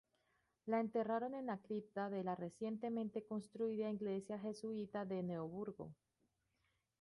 La enterraron en la cripta de la recientemente construida iglesia jesuita de Neoburgo.